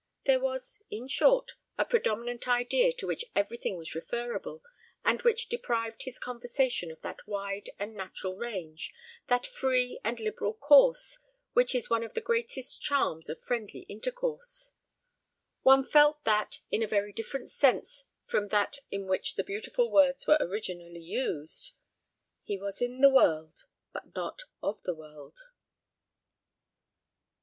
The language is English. There was, in short, a predominant idea to which everything was referrible, and which deprived his conversation of that wide and natural range, that free and liberal course, which is one of the greatest charms of friendly intercourse. One felt that, in a very different sense from that in which the beautiful words were originally used 'he was in the world, but not of the world.'